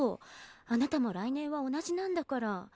あなたも来年は同じなんだから。